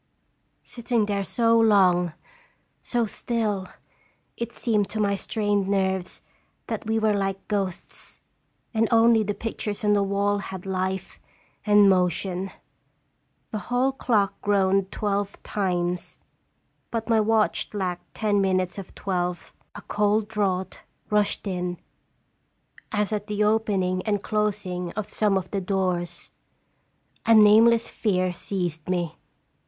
Sitting there so long, so still, it seemed to my strained nerves that we were like ghosts, and only the pictures on the wall had life and motion. The hall clock groaned twelve times, but my watch lacked ten minutes of twelve. A cold draught rushed in as at the opening and closing of some of the doors. A nameless fear seized me.